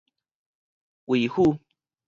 胃腑